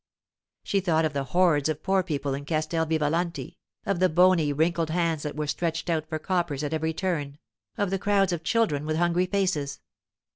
She thought of the hordes of poor people in Castel Vivalanti, of the bony, wrinkled hands that were stretched out for coppers at every turn, of the crowds of children with hungry faces.